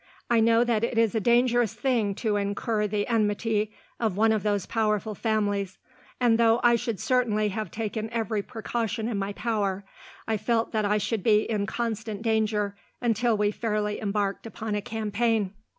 I know that it is a dangerous thing to incur the enmity of one of those powerful families, and, though I should certainly have taken every precaution in my power, I felt that I should be in constant danger until we fairly embarked upon a campaign."